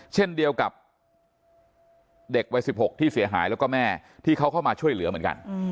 เช่นเดียวกับเด็กวัย๑๖ที่เสียหายแล้วก็แม่ที่เขาเข้ามาช่วยเหลือเหมือนกัน